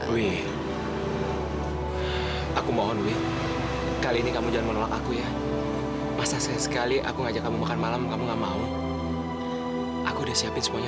sampai jumpa di video selanjutnya